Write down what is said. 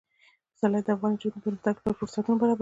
پسرلی د افغان نجونو د پرمختګ لپاره فرصتونه برابروي.